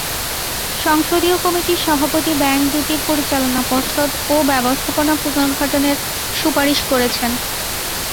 সংসদীয় কমিটির সভাপতি ব্যাংক দুটির পরিচালনা পর্ষদ ও ব্যবস্থাপনা পুনর্গঠনের সুপারিশ করেছেন।